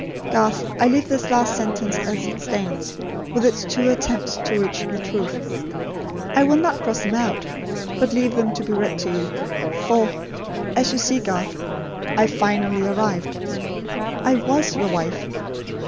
Garth, I leave this last sentence as it stands, with its two attempts to reach the truth. I will not cross them out, but leave them to be read to you; for, you see Garth, I finally arrived! I WAS your wife.